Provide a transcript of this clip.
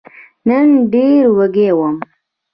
نن ډېر وږی وم !